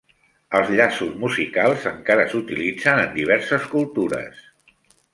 Els llaços musicals encara s'utilitzen en diverses cultures.